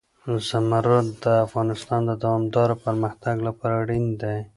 زمرد د افغانستان د دوامداره پرمختګ لپاره اړین دي.